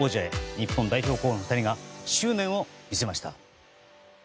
日本代表候補の２人が執念を見せました。